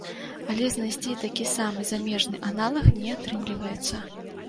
Але знайсці такі самы замежны аналаг не атрымліваецца.